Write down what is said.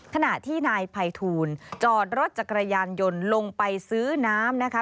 ขณะที่นายภัยทูลจอดรถจักรยานยนต์ลงไปซื้อน้ำนะคะ